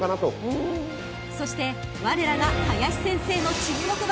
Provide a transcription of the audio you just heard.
［そしてわれらが林先生の注目馬は］